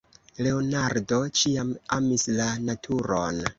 Leonardo ĉiam amis la naturon.